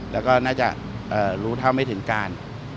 แล้วก็น่าจะรู้เท่าไม่ถึงการ